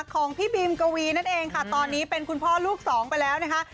ของพี่บีมกวีนั่นเองค่ะตอนนี้เป็นคุณพ่อลูกสองไปแล้วนะคะ